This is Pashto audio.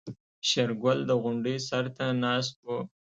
شېرګل د غونډۍ سر ته ناست و.